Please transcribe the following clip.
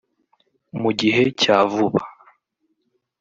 mu gihe cya vuba